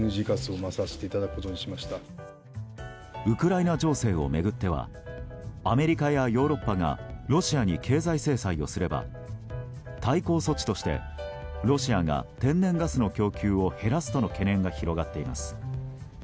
ウクライナ情勢を巡ってはアメリカやヨーロッパがロシアに経済制裁をすれば対抗措置としてロシアが天然ガスの供給を減らすとの懸念が広がっています。